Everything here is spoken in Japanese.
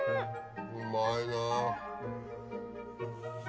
うまいな。